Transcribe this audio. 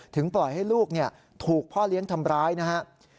ปล่อยให้ลูกถูกพ่อเลี้ยงทำร้ายนะครับ